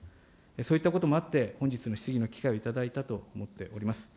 そういったこともあって本日の質疑の機会を頂いたと思っております。